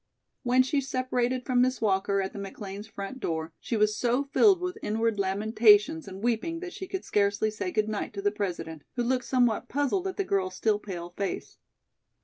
When she separated from Miss Walker at the McLeans' front door, she was so filled with inward lamentations and weeping that she could scarcely say good night to the President, who looked somewhat puzzled at the girl's still pale face.